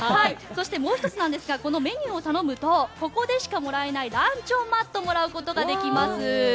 もう１つ、メニューを頼むとここでしかもらえないランチョンマットをもらうことができます。